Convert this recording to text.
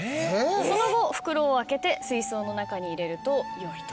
その後袋を開けて水槽の中に入れるとよいと。